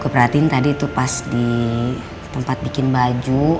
aku perhatiin tadi itu pas di tempat bikin baju